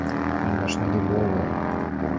Яна ж не дубовая.